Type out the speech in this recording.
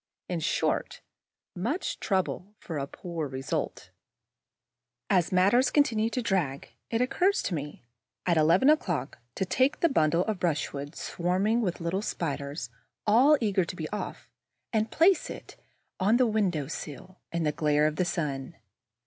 In short, much trouble for a poor result. As matters continue to drag, it occurs to me, at eleven o'clock, to take the bundle of brushwood swarming with the little Spiders, all eager to be off, and place it on the window sill, in the glare of the sun.